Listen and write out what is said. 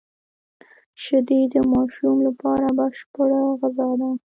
شیدې د ماشوم لپاره بشپړه غذا ده